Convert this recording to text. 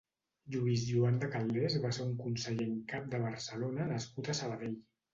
Lluís Joan de Calders va ser un conseller en cap de Barcelona nascut a Sabadell.